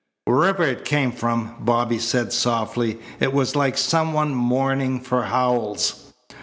"Wherever it came from," Bobby said softly, "it was like some one mourning for Howells."